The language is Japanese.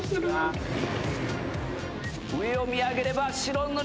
上を見上げれば白塗りの菊田。